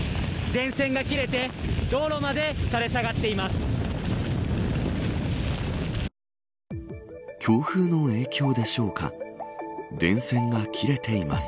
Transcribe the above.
電線が切れて道路まで垂れ下がっています。